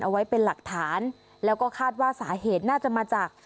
เอาไว้เป็นหลักฐานแล้วก็คาดว่าสาเหตุน่าจะมาจาก